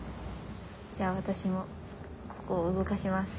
じゃあ私もここを動かします。